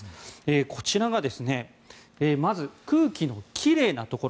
こちらが、まずは空気のきれいなところ